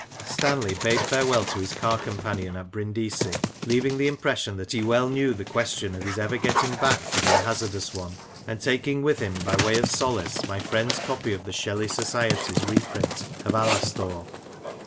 Stanley bade farewell to his car companion at Brindisi, leaving the impression that he well knew the question of his ever getting back to be a hazardous one ; and taking with him by way of solace my friend's copy of the Shelley Society's reprint oi Alastor.